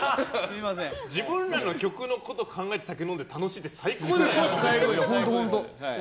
自分らの曲のことを考えて楽しいって酒飲んで楽しいって最高じゃん。